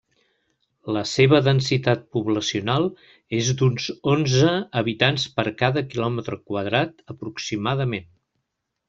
La seva densitat poblacional és d'uns onze habitants per cada quilòmetre quadrat aproximadament.